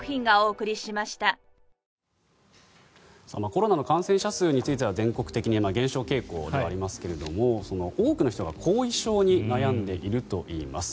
コロナの感染者数については全国的に減少傾向ではありますが多くの人が後遺症に悩んでいるといいます。